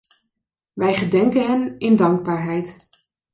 Wij gedenken hen in dankbaarheid.